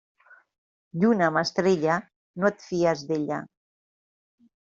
Lluna amb estrella, no et fies d'ella.